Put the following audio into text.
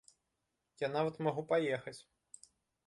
Я нават магу паехаць.